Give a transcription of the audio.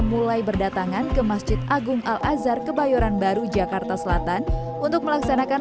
mulai berdatangan ke masjid agung al azhar kebayoran baru jakarta selatan untuk melaksanakan